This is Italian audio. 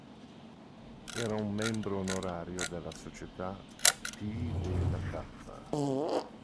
Era un membro onorario della società Phi Beta Kappa.